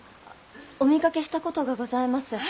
お見かけしたことがございます。